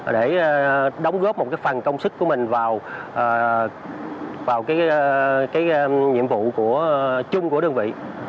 để đóng góp một phần công sức của mình vào nhiệm vụ của chung của đơn vị